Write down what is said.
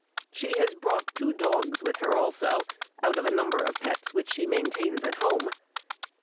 She has brought two dogs with her also, out of a number of pets which she maintains at home.